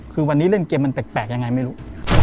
คือวันนี้เล่นเกมมันแปลกยังไงไม่รู้